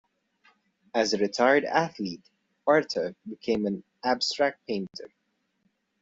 As a retired athlete, Oerter became an abstract painter.